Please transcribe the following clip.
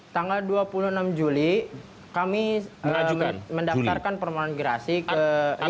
tanggal dua puluh enam juli kami mendaftarkan permohonan gerasi ke